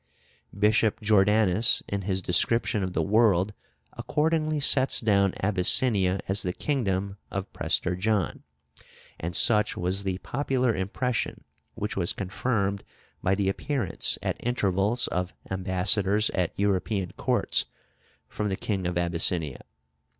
Bishop Jordanus, in his description of the world, accordingly sets down Abyssinia as the kingdom of Prester John; and such was the popular impression, which was confirmed by the appearance at intervals of ambassadors at European courts from the King of Abyssinia.